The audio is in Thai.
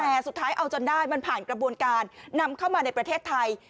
แต่สุดท้ายเอาจนได้มันผ่านกระบวนการนำเข้ามาในประเทศไทย